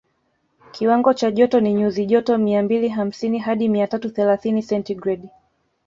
Kiwango cha joto ni nyuzi joto mia mbili hamsini hadi mia tatu thelathini sentigredi